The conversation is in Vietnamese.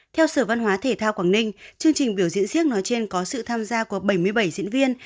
theo sở văn hóa thể thao quảng ninh chương trình biểu diễn siếc nói trên có sự tham gia của bảy mươi bảy diễn viên